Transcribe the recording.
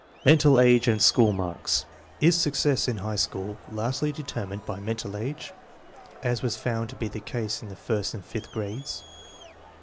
Mental age and school marks. Is success in high school largely determined by mental age, as was found to be the case in the first and fifth grades?